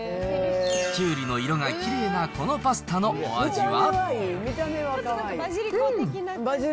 きゅうりの色がきれいなこのパスタのお味は。